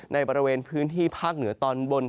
ในบริเวณพื้นที่ภาคเหนือตอนบน